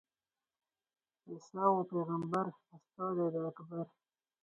عیسی وو پېغمبر استازی د اکبر.